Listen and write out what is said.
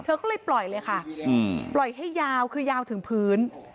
เธอก็เลยปล่อยเลยค่ะปล่อยให้ยาวคือยาวถึงพื้น